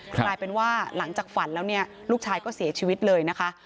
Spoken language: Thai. กลายเป็นว่าหลังจากฝันแล้วเนี่ยลูกชายก็เสียชีวิตเลยนะคะ